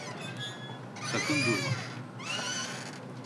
Sakın durma!